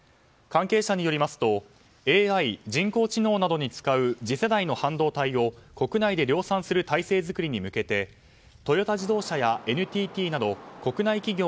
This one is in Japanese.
関係者によりますとＡＩ・人工知能などに使う次世代の半導体を国内で量産する体制作りに向けてトヨタ自動車やＮＴＴなど国内企業